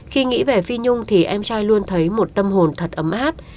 khi nghĩ về phi nhung thì em trai luôn thấy một tâm hồn thật ấm áp